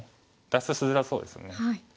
脱出しづらそうですよね。